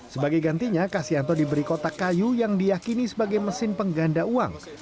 sebagai gantinya kasianto diberi kotak kayu yang diakini sebagai mesin pengganda uang